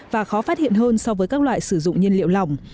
và khó phát hiện hơn so với các loại sử dụng nhiên liệu lỏng